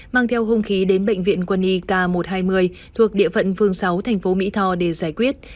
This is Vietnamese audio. mang theo hùng khí đến bệnh viện quân y k một trăm hai mươi thuộc địa phận phương sáu tp mỹ tho để giải quyết